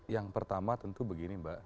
yang pertama tentu begini mbak